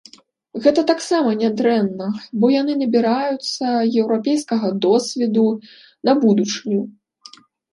Гэта таксама нядрэнна, бо яны набіраюцца еўрапейскага досведу на будучыню.